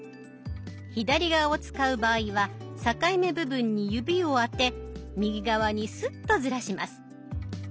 左側を使う場合は境目部分に指をあて右側にスッとずらします。